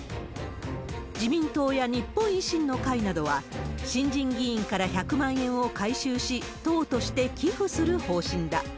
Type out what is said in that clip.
自民党や日本維新の会などは、新人議員から１００万円を回収し、党として寄付する方針だ。